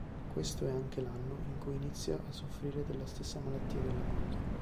Questo è anche l'anno in cui inizia a soffrire della stessa malattia della moglie.